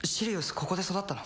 ここで育ったの？